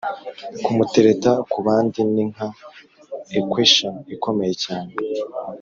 kumutereta ku bandi ni nka equation ikomeye cyane